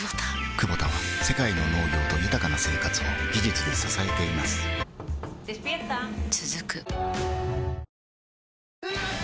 クボタは世界の農業と豊かな生活を技術で支えています起きて。